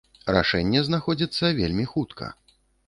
Рашэнне знаходзіцца вельмі хутка.